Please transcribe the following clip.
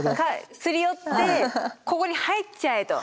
すり寄ってここに入っちゃえと。